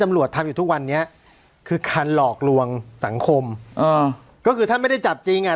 ตำรวจทำอยู่ทุกวันนี้คือคันหลอกลวงสังคมอ่าก็คือถ้าไม่ได้จับจริงอ่ะ